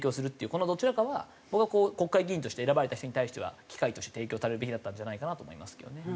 このどちらかは僕は国会議員として選ばれた人に対しては機会として提供されるべきだったんじゃないかなと思いますけどね。